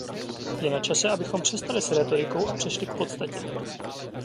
Je načase, abychom přestali s rétorikou a přešli k podstatě.